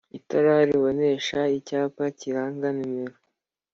Itara ribonesha icyapa kiranga numero